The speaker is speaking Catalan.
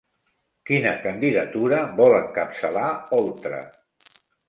Quina candidatura vol encapçalar Oltra?